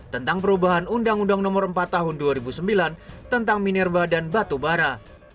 tentang perubahan undang undang no empat tahun dua ribu sembilan tentang minerba dan batu bara